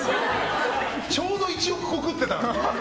ちょうど１億個食ってたの？